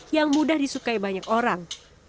yang mudah disukai banyak orang